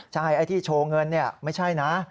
ใช่ไอ้ที่โชว์เงินไม่ใช่นะ